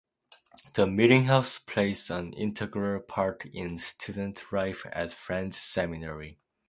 The Meetinghouse plays an integral part in student life at Friends Seminary.